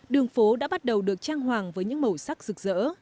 đường phố đã bắt đầu được trang hoàng với những màu sắc rực rỡ